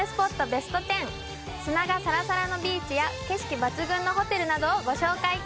ベスト１０砂がサラサラのビーチや景色抜群のホテルなどをご紹介！